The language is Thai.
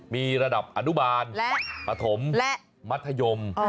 มีระดับอนุบาลและปฐมและมัธยม